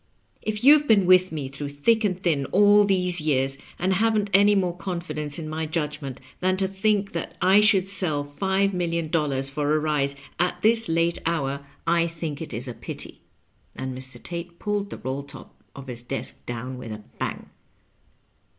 If you have been with me through thick and thin all these years, and haven't any more con fidence in my judgment than to think that I should sell five million dollars for a rise, at this late hour, I think it Digitized by VjOOQIC LOYE AND LIGHTiriNQ. 191 Is a pity," and Mr. Tate pulled the roll top of his desk down with a bang.